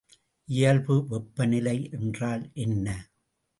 இயல்பு வெப்பநிலை என்றால் என்ன?